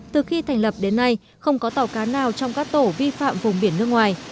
từ khi thành lập đến nay không có tàu cá nào trong các tổ vi phạm vùng biển nước ngoài